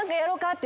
って。